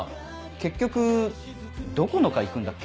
結局どこの科行くんだっけ？